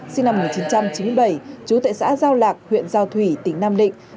sinh năm một nghìn chín trăm chín mươi bảy chú tại xã giao lạc huyện giao thủy tỉnh nam định